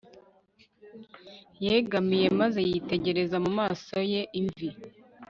yegamiye maze yitegereza mu maso ye imvi